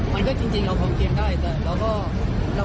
มาเลเซียบ้างก่อนครับ